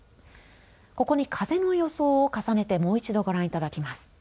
ここに風の予想を重ねてもう一度ご覧いただきます。